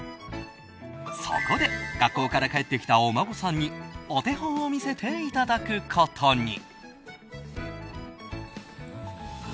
そこで、学校から帰ってきたお孫さんにお手本を見せていただくことに。